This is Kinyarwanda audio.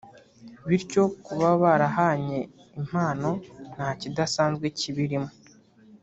bityo kuba barahanye impano nta kidasanzwe kibirimo